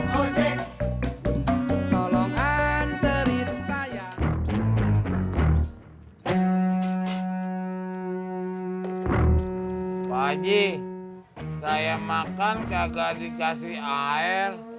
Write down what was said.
pak haji saya makan kagak dikasih air